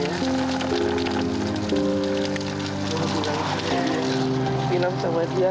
pinang sama dia kalau aku sayang banget sama dia ma